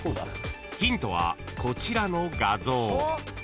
［ヒントはこちらの画像］